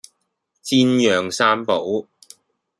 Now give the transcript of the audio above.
煎釀三寶